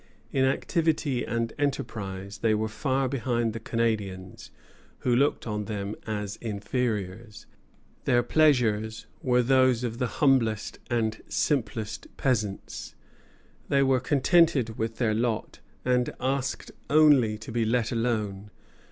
In activity and enterprise they were far behind the Canadians, who looked on them as inferiors. Their pleasures were those of the humblest and simplest peasants; they were contented with their lot, and asked only to be let alone.